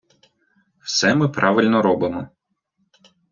Все ми правильно робимо.